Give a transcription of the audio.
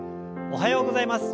おはようございます。